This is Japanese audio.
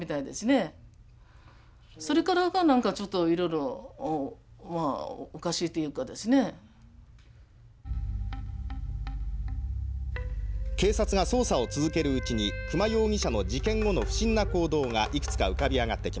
そこで話してるうちに警察が捜査を続けるうちに久間容疑者の事件後の不審な行動がいくつか浮かび上がってきました。